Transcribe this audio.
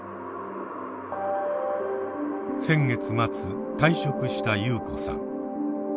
先月末退職したユウコさん。